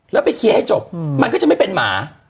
แล้วไปเคลียร์ให้จบมันก็จะไม่เป็นหมา